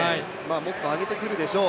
もっと上げてくるでしょう。